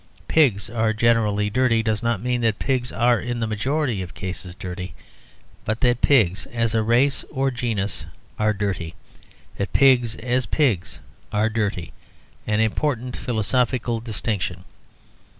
"Pigs are generally dirty" does not mean that pigs are, in the majority of cases, dirty, but that pigs as a race or genus are dirty, that pigs as pigs are dirty an important philosophical distinction.